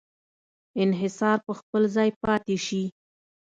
انحصار په خپل ځای پاتې شي.